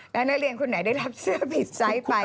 แล้วนักเรียนคนไหนได้รับเสื้อผิดไซส์ไป